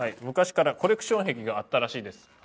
昔からコレクション癖があったらしいです。